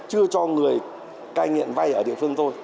chưa cho người cai nghiện vai ở địa phương tôi